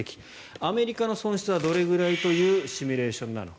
アメリカの損失はどれぐらいというシミュレーションなのか。